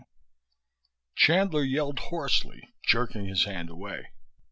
IV Chandler yelled hoarsely, jerking his hand away.